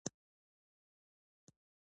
که کتاب وي نو معلومات نه ورک کیږي.